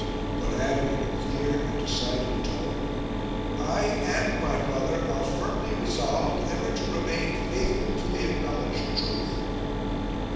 but added in a clear and decided tone: 'I and my brother are firmly resolved ever to remain faithful to the acknowledged truth.'